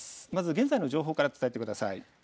現在の情報から伝えてください。